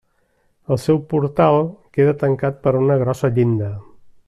El seu portal queda tancat per una grossa llinda.